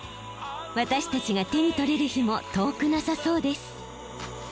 私たちが手に取れる日も遠くなさそうです。